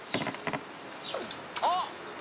あっ！